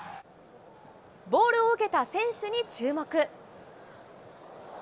ボールを受けた選手に注目。